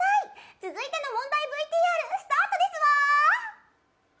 続いての問題ＶＴＲスタートですわ！